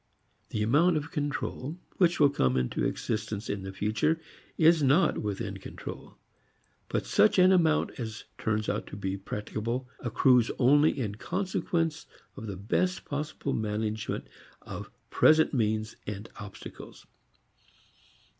The amount of control which will come into existence in the future is not within control. But such an amount as turns out to be practicable accrues only in consequence of the best possible management of present means and obstacles.